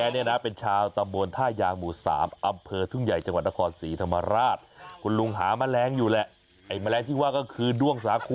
นี่เลยกำลังเสาะแสวงหา